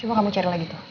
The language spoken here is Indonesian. coba kamu cari lagi tuh